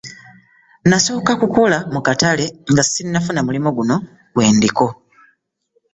Nnasooka kukola mu katale nga sinafuna mulimu guno gwendiko.